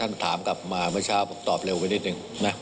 ถามกลับมาเมื่อเช้าผมตอบเร็วไปนิดนึงนะ